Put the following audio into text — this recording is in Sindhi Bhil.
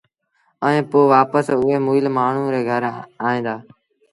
ائيٚݩ پو وآپس اُئي مئيٚل مآڻهوٚٚݩ ري گھر ائيٚݩ دآ